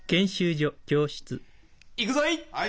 いくぞい！